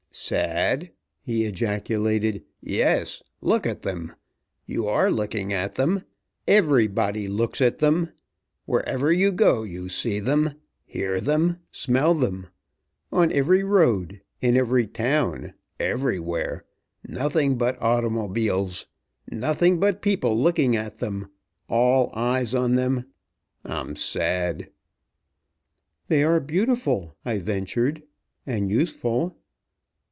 "Sad!" he ejaculated. "Yes! Look at them. You are looking at them. Everybody looks at them. Wherever you go you see them hear them smell them. On every road, in every town everywhere nothing but automobiles; nothing but people looking at them all eyes on them. I'm sad!" "They are beautiful," I ventured, "and useful."